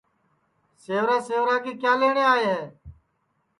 سیوا سیوا کے کیا لئیٹؔے آئے ہے